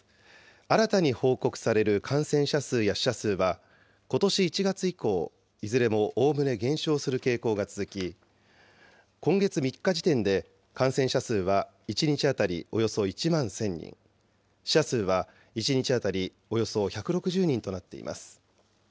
新たに報告される感染者数や死者数は、ことし１月以降、いずれもおおむね減少する傾向が続き、今月３日時点で感染者数は１日当たりおよそ１万１０００人、死者数は１日当たりおよそ１６０人となっています。